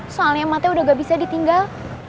soalnya mate udah nggak bisa ditinggal